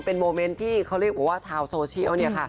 เป็นโมเมนท์ที่เขาเรียกว่าชาวโซเชียล